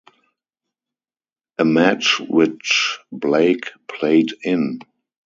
A match which Blake played in.